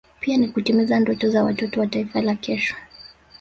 pia ni kutimiza ndoto za watoto wa Taifa la kesho